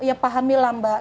ya paham lah mbak